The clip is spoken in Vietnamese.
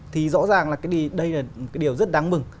thì rõ ràng là đây là cái điều rất đáng mừng